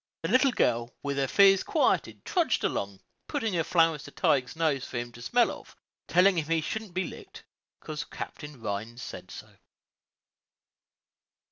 The little girl, with her fears quieted, trudged along, putting her flowers to Tige's nose for him to smell of, telling him he shouldn't be licked, 'cause Captain Rhines said so.